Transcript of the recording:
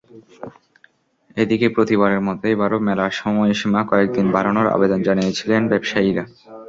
এদিকে প্রতিবারের মতো এবারও মেলার সময়সীমা কয়েক দিন বাড়ানোর আবেদন জানিয়েছিলেন ব্যবসায়ীরা।